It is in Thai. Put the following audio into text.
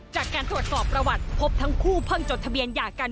จากการตรวจสอบประวัติพบทั้งคู่เพิ่งจดทะเบียนหย่ากัน